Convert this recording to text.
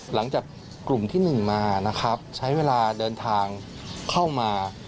หลังจากกลุ่มที่๑มานะครับใช้เวลาเดินทางเข้ามา